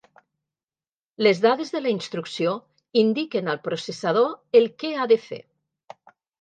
Les dades de la instrucció indiquen al processador el que ha de fer.